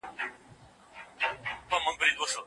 پر هغه وخت چې علم ته درناوی زیات شي، غلط باورونه نه خپرېږي.